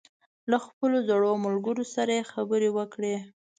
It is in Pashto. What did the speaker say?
له خپلو زړو ملګرو سره یې خبرې وکړې.